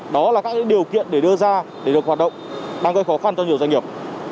đó là các điều kiện để đưa ra để được hoạt động đang gây khó khăn cho nhiều doanh nghiệp